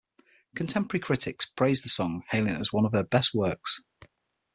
Contemporary critics praised the song, hailing it as one of her best works.